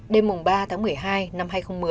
đêm mùng ba tháng một mươi hai năm hai nghìn một mươi